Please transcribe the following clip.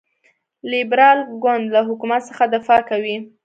لیبرال ګوند له حکومت څخه دفاع کوي.